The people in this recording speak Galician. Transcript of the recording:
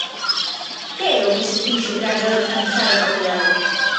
¿Que é o que se fixo para reorganizar a propiedade?